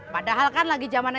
padahal kan lagi zaman sma